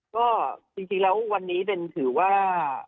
ก็จริงแล้ววันนี้ถือว่า